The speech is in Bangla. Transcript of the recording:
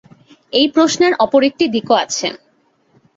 এই প্রশ্নের অপর একটি দিকও আছে।